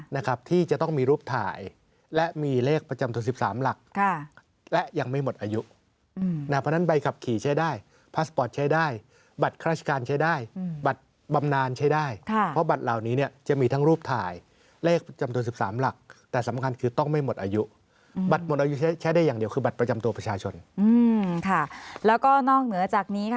นะครับที่จะต้องมีรูปถ่ายและมีเลขประจำตัวสิบสามหลักค่ะและยังไม่หมดอายุอืมนะครับเพราะฉะนั้นใบขับขี่ใช้ได้ใช้ได้บัตรคราชการใช้ได้อืมบัตรบำนานใช้ได้ค่ะเพราะบัตรเหล่านี้เนี้ยจะมีทั้งรูปถ่ายเลขประจำตัวสิบสามหลักแต่สำคัญคือต้องไม่หมดอายุอืมบัตรหมดอายุใช้